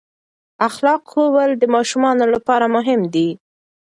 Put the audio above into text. اخلاق ښوول د ماشومانو لپاره مهم دي.